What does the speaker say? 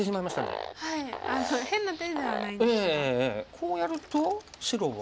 こうやると白は。